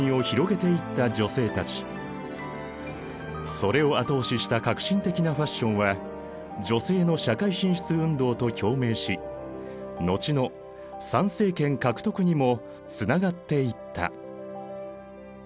それを後押しした革新的なファッションは女性の社会進出運動と共鳴し後の参政権獲得にもつながっていった。